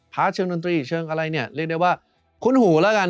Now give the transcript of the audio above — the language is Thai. เชิงดนตรีเชิงอะไรเนี่ยเรียกได้ว่าคุ้นหูแล้วกัน